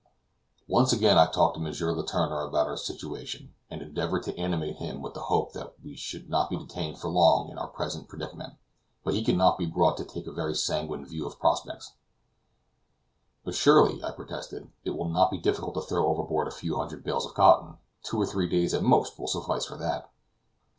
Once again I talked to M. Letourneur about our situation, and endeavored to animate him with the hope that we should not be detained for long in our present predicament; but he could not be brought to take a very sanguine view of our prospects. "But surely," I protested, "it will not be difficult to throw overboard a few hundred bales of cotton; two or three days at most will suffice for that."